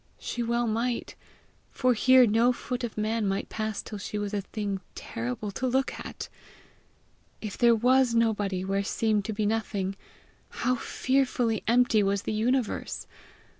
She well might for here no foot of man might pass till she was a thing terrible to look at! If there was nobody where seemed to be nothing, how fearfully empty was the universe!